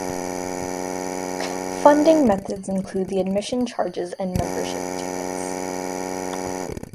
Funding methods include the admission charges and membership tickets.